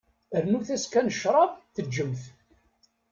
Rnut-as kan ccrab, teǧǧem-t.